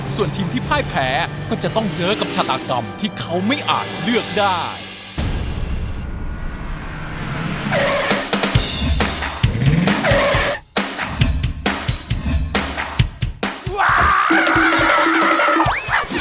ส่วนทีมที่พ่ายแพ้ก็จะต้องเจอกับชาตากรรมที่เขาไม่อาจเลือกได้